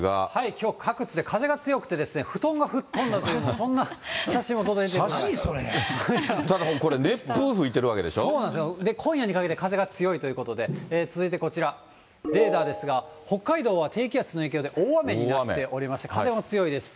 きょう各地で風が強くて、ふとんがふっとんだというような、これ、そうなんです、今夜にかけて風が強いということで、続いてこちら、レーダーですが、北海道は低気圧の影響で大雨になっておりまして、風も強いです。